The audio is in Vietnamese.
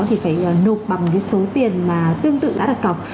thì phải nộp bằng cái số tiền mà tương tự đã đặt cọc